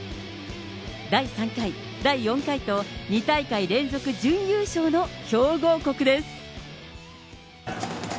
第３回、第４回と、２大会連続準優勝の強豪国です。